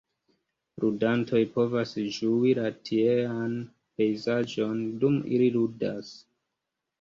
Ludantoj povas ĝui la tiean pejzaĝon, dum ili ludas.